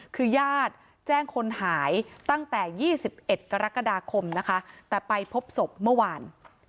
คือยาดแจ้งคนหายตั้งแต่ยี่สิบเอ็ดกรกฎาคมนะคะแต่ไปพบศพเมื่อวาน